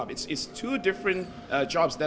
itu dua tugas yang berbeda